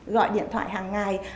gọi điện thoại hàng ngày